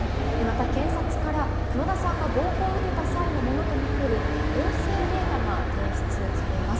検察から熊田さんが暴行を受けた際のものとみられる音声データが提出されます。